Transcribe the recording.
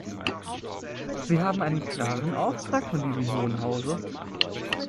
Sie haben einen klaren Auftrag von diesem Hohen Hause.